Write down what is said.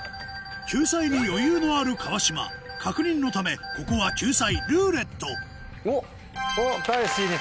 救済に余裕のある川島確認のためここは救済「ルーレット」たいしに止まりました。